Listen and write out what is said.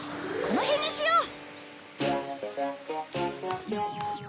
この辺にしよう。